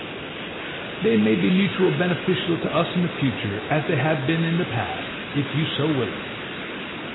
They may be mutually beneficial to us in the future, as they have been in the past, if you so will it.